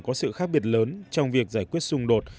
có sự khác biệt lớn trong việc giải quyết xung đột